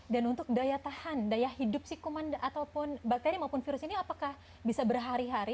dan untuk daya tahan daya hidup kuman atau bakteri maupun virus ini bisa berhari hari